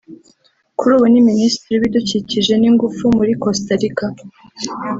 kuri ubu ni Minisitiri w’ibidukikije n’ingufu muri Costa Rica